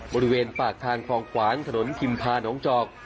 บริเวณปากทางคลองขวางถนนพิมพาน้องจอก